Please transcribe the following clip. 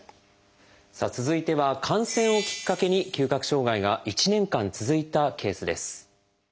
さあ続いては感染をきっかけに嗅覚障害が１年間続いたケースです。